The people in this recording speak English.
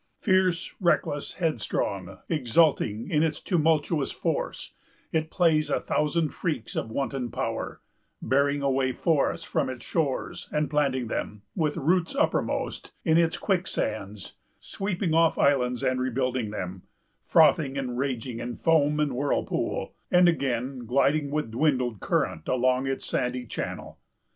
Fierce, reckless, headstrong, exulting in its tumultuous force, it plays a thousand freaks of wanton power; bearing away forests from its shores, and planting them, with roots uppermost, in its quicksands; sweeping off islands, and rebuilding them; frothing and raging in foam and whirlpool, and, again, gliding with dwindled current along its sandy channel.